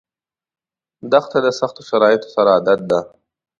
دښته د سختو شرایطو سره عادت ده.